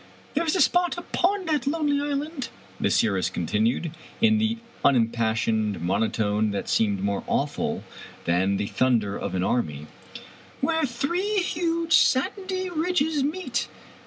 "There is a spot upon that lonely island," the seeress continued, in the unimpassioned monotone that seemed more awful than the thunder of an army, " where three huge, sandy ridges meet.